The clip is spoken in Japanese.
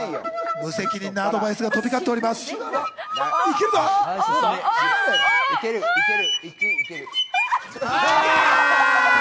無責任なアドバイスが飛び交いける、いける！